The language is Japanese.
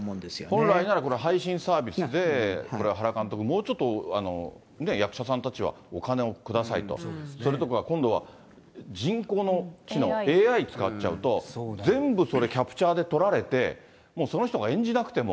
本来なら配信サービスで、原監督、もうちょっと役者さんたちはお金を下さいと、それとか今度は人工の知能、ＡＩ使っちゃうと、全部それ、キャプチャーでとられて、もうその人が演じなくても。